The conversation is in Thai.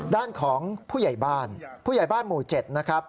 ด้านของผู้ใหญ่บ้านผู้ใหญ่บ้านหมู่๗นะครับ